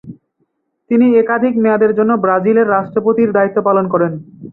তিনি একাধিক মেয়াদের জন্য ব্রাজিলের রাষ্ট্রপতির দায়িত্ব পালন করেন।